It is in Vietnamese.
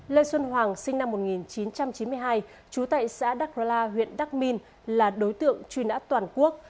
lê xuân hoàng sinh năm một nghìn chín trăm chín mươi hai trú tại xã đắk rơ la huyện đắc minh là đối tượng truy nã toàn quốc